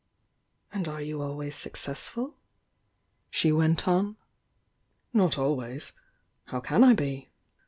"And are you always successful?" she wCi t on. "Not always. How can I be?